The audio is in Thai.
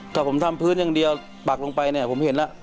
ถ้าผมทำพื้นอย่างเดียวปักลงไปเนี่ยผมเห็นแล้ว